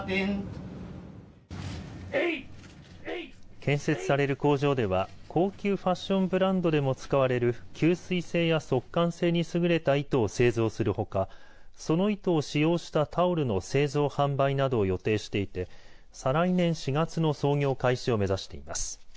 建設される工場では高級ファッションブランドでも使われる吸水性や速乾性にすぐれた糸を製造するほかその糸を使用したタオルの製造販売などを予定していて再来年４月の操業開始を目指しています。